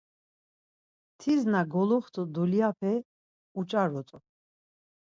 Tiz na goluxtu dulyape, uç̌arut̆u.